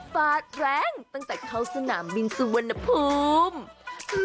ฟาดแรงตั้งแต่เข้าสนามบินสุวรรณภูมิ